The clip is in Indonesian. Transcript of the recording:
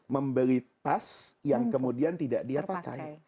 membeli tas yang kemudian tidak dia pakai